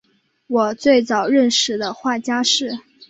我最早认识的画家是